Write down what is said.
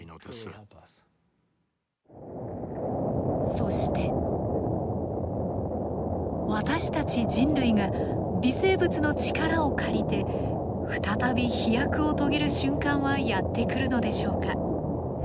そして私たち人類が微生物の力を借りて再び飛躍をとげる瞬間はやって来るのでしょうか。